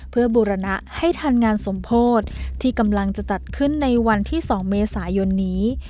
เพื่อบูรณะให้ทันงานสมโพธิที่กำลังจะจัดขึ้นในวันที่๒เมษายนนี้